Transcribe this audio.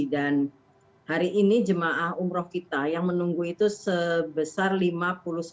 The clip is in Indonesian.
dan hari ini jemaah umroh kita yang menunggu itu sebesar lima puluh sembilan jemaah